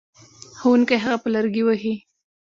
ښوونکی هغه په لرګي وهي.